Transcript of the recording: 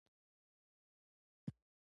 تکليف مه راکوه.